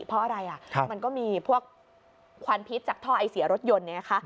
เพราะอะไรมันก็มีพวกควันพิษจากท่อไอเสียรถยนต์